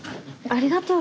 ありがとう。